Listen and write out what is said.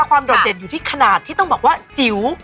โดดเด่นอยู่ที่ขนาดที่ต้องบอกว่าจิ๋ว